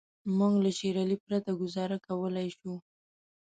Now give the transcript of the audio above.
موږ له شېر علي پرته ګوزاره کولای شو.